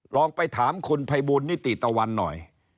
ลองไปถามคุณภัยบูลนิติตะวันหน่อย